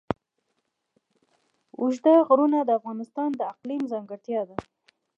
اوږده غرونه د افغانستان د اقلیم ځانګړتیا ده.